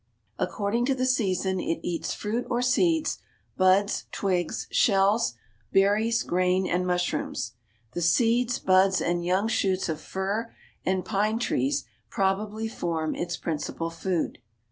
According to the season it eats fruit or seeds, buds, twigs, shells, berries, grain and mushrooms. The seeds, buds and young shoots of fir and pine trees probably form its principal food.